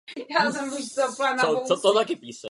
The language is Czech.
Na ostrovech, odkud pocházím, je to hlavní odvětví.